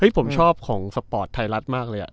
เฮ้ยผมชอบของสปอร์ตไทยรัตรมากเลยอะ